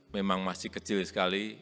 memang masih kecil sekali